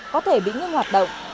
có thể bị ngưng hoạt động